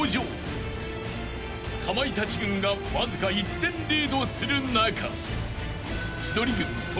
［かまいたち軍がわずか１点リードする中］